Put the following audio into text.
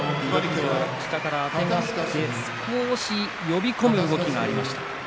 下からあてがって少し呼び込む動きがありました。